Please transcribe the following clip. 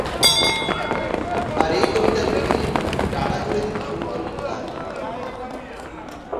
আর এই কবিতার পিঠে ডানা জুড়ে দিতে শুরু করলেন গান।